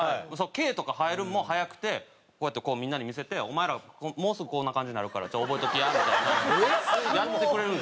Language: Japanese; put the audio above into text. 毛とか生えるんも早くてこうやってみんなに見せて「お前らもうすぐこんな感じになるから覚えときや」みたいなやってくれるんですよね。